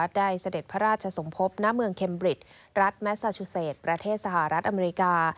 เสด็จพระราชสมภพณเมืองเคมบริตรัฐแมสซาชูเศษประเทศสหรัฐอเมริกา